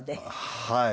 はい。